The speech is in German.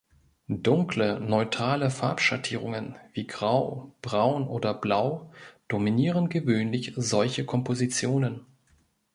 Dunkle, neutrale Farbschattierungen, wie grau, braun oder blau dominieren gewöhnlich solche Kompositionen.